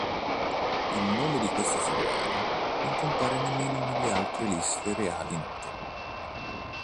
Il nome di questo sovrano non compare nemmeno nelle altre liste reali note.